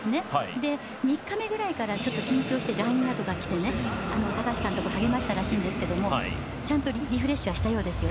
で、３日目ぐらいからちょっと緊張してＬＩＮＥなどが来て高橋監督が励ましたらしいんですけどもちゃんとリフレッシュしたようですよ。